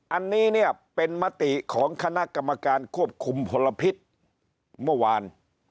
อันนี้เนี่ยเป็นมติของคณะกรรมการควบคุมพลพิษเมื่อวาน